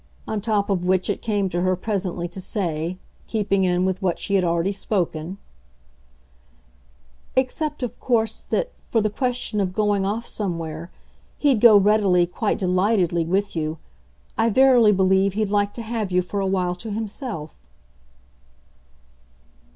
On top of which it came to her presently to say, keeping in with what she had already spoken: "Except of course that, for the question of going off somewhere, he'd go readily, quite delightedly, with you. I verily believe he'd like to have you for a while to himself."